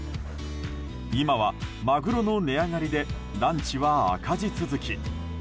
今はマグロの値上がりでランチは赤字続き。